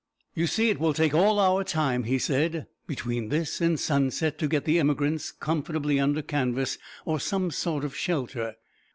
"You see, it will take all our time," he said, "between this and sunset to get the emigrants comfortably under canvas, or some sort of shelter."